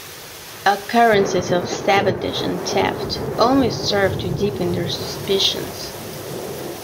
Occurrences of sabotage and theft only serve to deepen their suspicions.